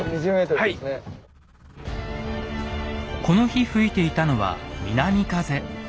この日吹いていたのは南風。